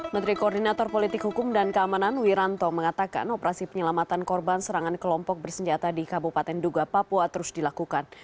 menteri koordinator politik hukum dan keamanan wiranto mengatakan operasi penyelamatan korban serangan kelompok bersenjata di kabupaten duga papua terus dilakukan